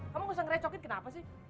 kamu gak usah ngerecokin kenapa sih